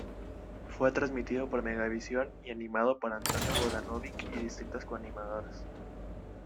Fue transmitido por Megavisión y animado por Antonio Vodanovic y distintas co-animadoras.